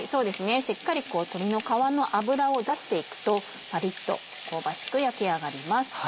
しっかりこう鶏の皮の脂を出していくとパリっと香ばしく焼き上がります。